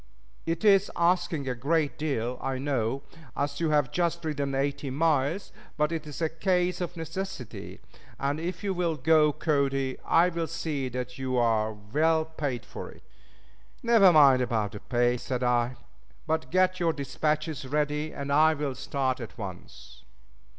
It is asking a great deal, I know, as you have just ridden eighty miles; but it is a case of necessity, and if you'll go, Cody, I'll see that you are well paid for it." "Never mind about the pay," said I, "but get your dispatches ready and I'll start at once."